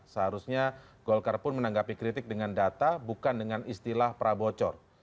seharusnya golkar pun menanggapi kritik dengan data bukan dengan istilah prabocor